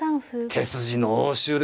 手筋の応酬で。